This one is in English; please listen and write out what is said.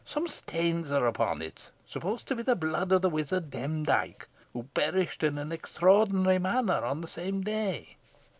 Some stains are upon it, supposed to be the blood of the wizard Demdike, who perished in an extraordinary manner on the same day."